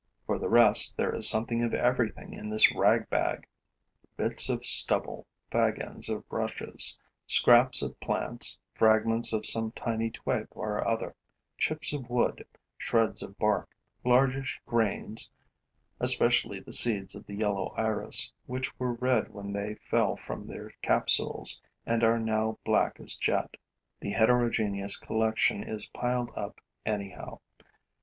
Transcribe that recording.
For the rest, there is something of everything in this rag bag: bits of stubble, fag ends of rushes, scraps of plants, fragments of some tiny twig or other, chips of wood, shreds of bark, largish grains, especially the seeds of the yellow iris, which were red when they fell from their capsules and are now black as jet. The heterogeneous collection is piled up anyhow.